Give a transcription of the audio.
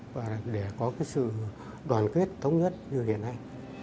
và để có cái sự đoàn kết thống nhất như hiện nay